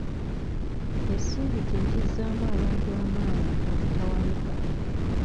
Essuubi kye kizzaamu abantu amaanyi obutawanika.